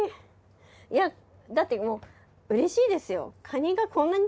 いやだってもううれしいですよ。